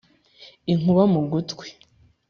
inkuba mu gutwi;